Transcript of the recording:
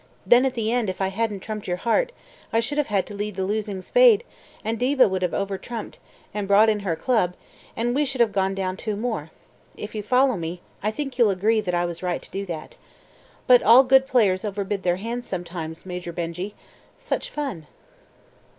Then at the end if I hadn't trumped your heart, I should have had to lead the losing spade and Diva would have over trumped, and brought in her club, and we should have gone down two more. If you follow me, I think you'll agree that I was right to do that. But all good players overbid their hands sometimes, Major Benjy. Such fun!"